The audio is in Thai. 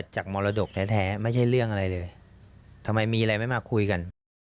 มรดกแท้ไม่ใช่เรื่องอะไรเลยทำไมมีอะไรไม่มาคุยกัน